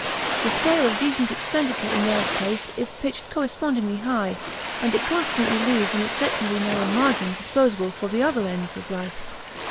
The scale of decent expenditure in their case is pitched correspondingly high, and it consequently leaves an exceptionally narrow margin disposable for the other ends of life.